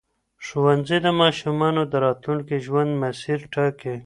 ښوونځی د ماشومانو د راتلونکي ژوند مسیر ټاکي.